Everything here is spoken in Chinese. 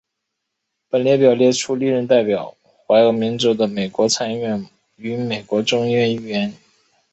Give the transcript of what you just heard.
本列表列出历任代表怀俄明州的美国参议院与美国众议院议员。